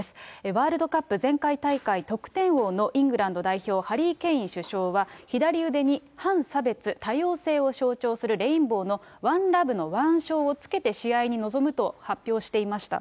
ワールドカップ前回大会得点王のイングランド代表、ハリー・ケイン首相は左腕に反差別、多様性を象徴するレインボーのＯｎｅＬｏｖｅの腕章をつけて試合に臨むと発表していました。